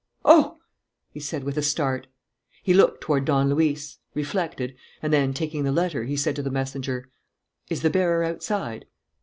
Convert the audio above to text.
"Oh!" he said, with a start. He looked toward Don Luis, reflected, and then, taking the letter, he said to the messenger: "Is the bearer outside?"